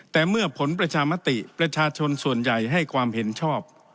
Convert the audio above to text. แต่เมื่อผลประชามติประชาชนส่วนใหญ่ให้ความเห็นชอบ